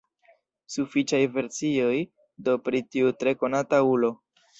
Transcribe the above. Sufiĉaj versioj do pri tiu tre konata ulo.